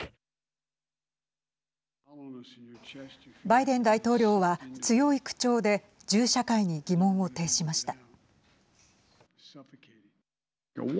バイデン大統領は強い口調で銃社会に疑問を呈しました。